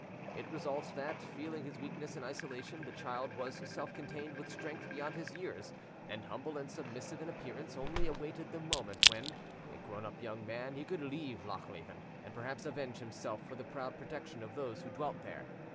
It results that, feeling his weakness and isolation, the child was self contained with strength beyond his years, and, humble and submissive in appearance, only awaited the moment when, a grown up young man, he could leave Lochleven, and perhaps avenge himself for the proud protection of those who dwelt there.